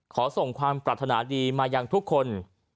ขอส่งความปรัฐนาดีมายังทุกคน